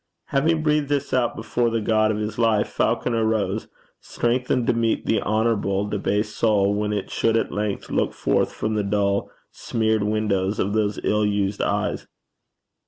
Having breathed this out before the God of his life, Falconer rose, strengthened to meet the honourable debased soul when it should at length look forth from the dull smeared windows of those ill used eyes.